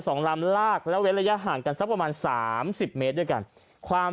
สองลำลากแล้วเว้นระยะห่างกันสักประมาณสามสิบเมตรด้วยกันความ